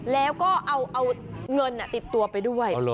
แล้วก็เอาเงินติดตัวไปด้วย